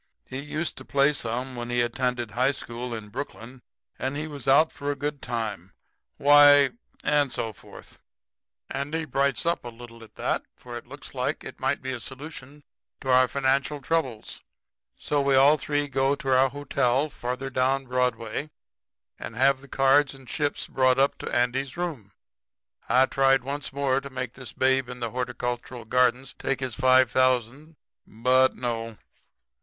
He used to play some when he attended high school in Brooklyn; and as he was out for a good time, why and so forth. "Andy brights up a little at that, for it looks like it might be a solution to our financial troubles. So we all three go to our hotel further down Broadway and have the cards and chips brought up to Andy's room. I tried once more to make this Babe in the Horticultural Gardens take his five thousand. But no.